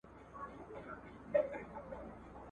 معلومات د فرهنګي جنجالونو پر وړاندې دوستانه چلند ته اړوي.